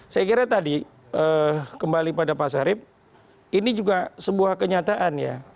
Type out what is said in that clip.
saya kira tadi kembali pada pak sarip ini juga sebuah kenyataan ya